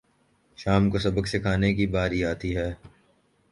شام کو سبق سکھانے کی باری آتی ہے